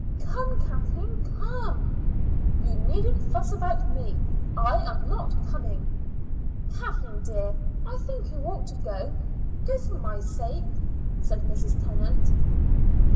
"Come, Kathleen; come." "You needn't fuss about me; I am not coming." "Kathleen, dear, I think you ought to go. Go for my sake," said Mrs. Tennant.